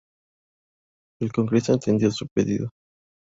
El Congreso atendió su pedido.